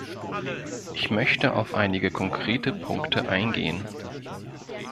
Ich möchte auf einige konkrete Punkte eingehen.